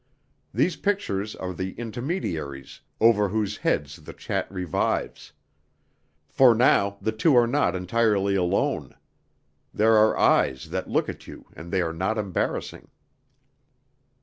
These pictures are the intermediaries over whose heads the chat revives; for now the two are not entirely alone; there are eyes that look at you and they are not embarrassing.